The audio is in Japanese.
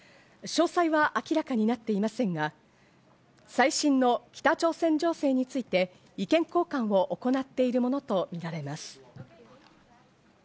詳細は明らかになっていませんが最新の北朝鮮情勢について、意見交換を行っているものとみられます。